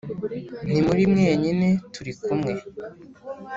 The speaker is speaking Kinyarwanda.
Ntimuri mwenyine turi kumwe